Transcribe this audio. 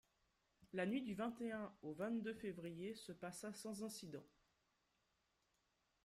La nuit du vingt et un au vingt-deux février se passa sans incidents.